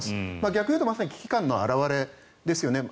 逆に言うと危機感の表れですよね。